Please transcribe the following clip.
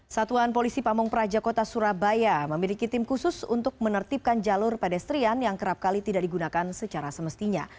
satuan polisi pamung praja kota surabaya memiliki tim khusus untuk menertibkan jalur pedestrian yang kerap kali tidak digunakan secara semestinya